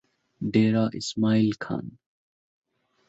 ডেরা Ismail খান